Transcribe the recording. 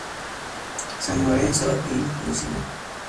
San Lorenzo in Lucina